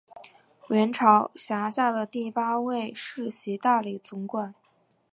元朝辖下的第八位世袭大理总管。